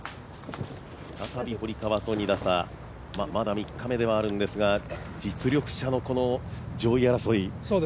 再び堀川と２打差、まだ３日目ではあるんですが実力者のこの上位争い。